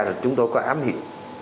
rồi chúng tôi có ám hiệp